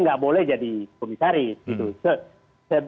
tidak boleh jadi komisaris